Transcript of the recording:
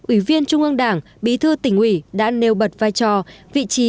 ủy viên trung ương đảng bí thư tỉnh ủy đã nêu bật vai trò vị trí